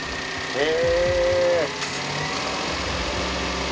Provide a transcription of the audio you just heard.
へえ！